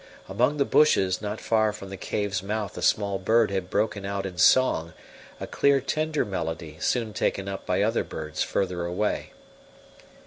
Among the bushes not far from the cave's mouth a small bird had broken out in song, a clear, tender melody soon taken up by other birds further away.